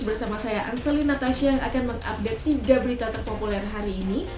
bersama saya arseli natasha yang akan mengupdate tiga berita terpopuler hari ini